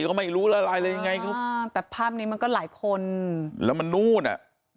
ก็ไม่รู้อะไรแต่ภาพนี้มันก็หลายคนแล้วมันนู่นน่ะ๑๗